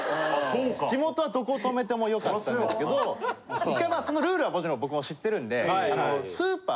地元はどことめても良かったんですけど１回まあそのルールはもちろん僕も知ってるんで。